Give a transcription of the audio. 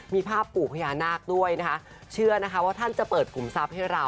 มีภาพปู่ไปยานากด้วยเชื่อท่านจะเปิดฝุมทรัพย์ให้เรา